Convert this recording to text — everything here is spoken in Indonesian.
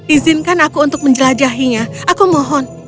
izinkan aku untuk menjelajahinya aku mohon